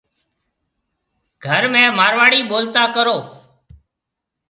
گھر ۾ مارواڙي ٻولتا ڪرون۔